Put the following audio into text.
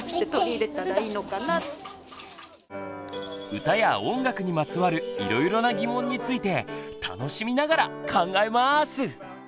歌や音楽にまつわるいろいろな疑問について楽しみながら考えます！